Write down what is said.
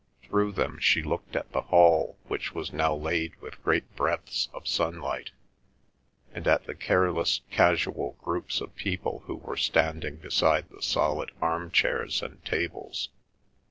Through them she looked at the hall which was now laid with great breadths of sunlight, and at the careless, casual groups of people who were standing beside the solid arm chairs and tables.